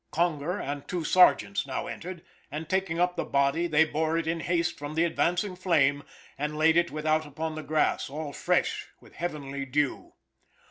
Conger and two sergeants now entered, and taking up the body, they bore it in haste from the advancing flame, and laid it without upon the grass, all fresh with heavenly dew.